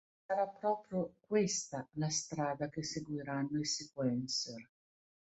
Sarà proprio questa la strada che seguiranno i sequencer.